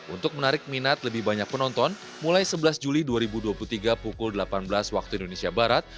untuk menarik minat lebih banyak penonton mulai sebelas juli dua ribu dua puluh tiga pukul delapan belas waktu indonesia barat